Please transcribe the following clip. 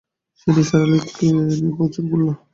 সে নিসার আলিকে নিয়ে প্রচুর ঘুরল।